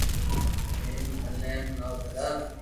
ھين مني ھڻاو ڀلا